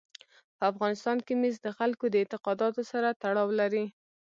په افغانستان کې مس د خلکو د اعتقاداتو سره تړاو لري.